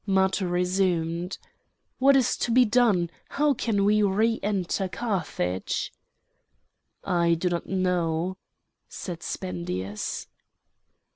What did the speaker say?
Matho resumed: "What is to be done? How can we re enter Carthage?" "I do not know," said Spendius.